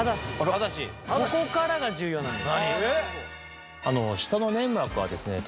ここからが重要なんです。